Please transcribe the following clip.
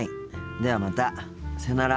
ではまたさよなら。